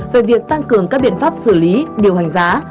về việc tăng cường các biện pháp xử lý điều hành giá